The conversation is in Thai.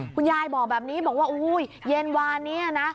คุณยายบอกแบบนี้บอกว่าอุ้ยเย็นวานนี้นะ